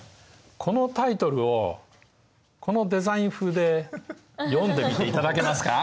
このタイトルをこのデザイン風で読んでみていただけますか？